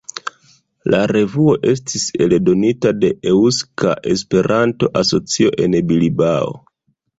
La revuo estis eldonita de Eŭska Esperanto-Asocio en Bilbao.